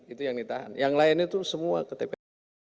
itu yang ditahan yang lain itu semua ke tpn